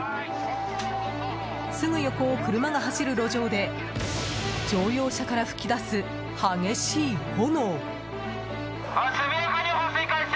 すぐ横を車が走る路上で乗用車から噴き出す激しい炎。